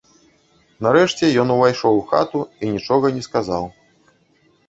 Нарэшце ён увайшоў у хату і нічога не сказаў.